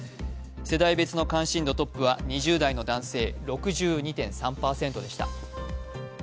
世代別関心度トップは２０代の男性、６２．３％でした。